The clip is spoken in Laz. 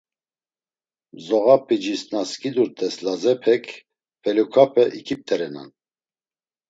Mzoğapicis na skidurt̆es Lazepek feluǩape ikipt̆erenan.